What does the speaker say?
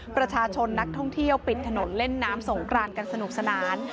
ประชาชนนักท่องเที่ยวปิดถนนเล่นน้ำสงกรานกันสนุกสนาน